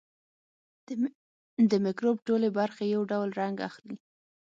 د مکروب ټولې برخې یو ډول رنګ اخلي.